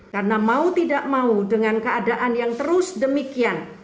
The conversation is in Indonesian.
karena mau tidak mau dengan keadaan yang terus demikian